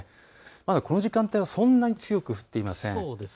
まだこの時間帯はそんなに強く降っていません。